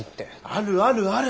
あるあるある。